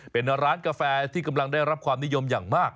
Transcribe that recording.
เป็นร้านกาแฟที่กำลังได้รับความนิยมอย่างมาก